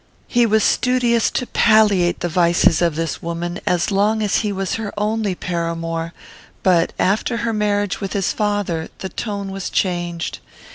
He was studious to palliate the vices of this woman, as long as he was her only paramour; but, after her marriage with his father, the tone was changed.